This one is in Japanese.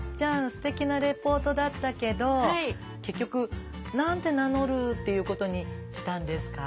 すてきなレポートだったけど結局何て名乗るっていうことにしたんですか？